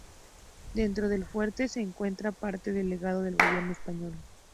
Dentro del fuerte se encuentra parte del legado del Gobierno español.